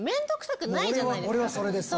俺はそれです。